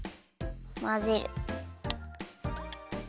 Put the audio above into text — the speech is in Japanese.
まぜる。